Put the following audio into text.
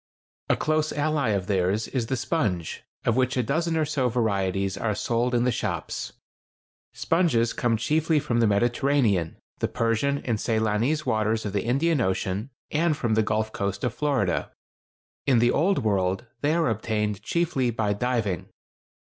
A close ally of theirs is the sponge, of which a dozen or so varieties are sold in the shops. Sponges come chiefly from the Mediterranean, the Persian and Ceylonese waters of the Indian Ocean, and from the Gulf coast of Florida. In the Old World they are obtained chiefly by diving.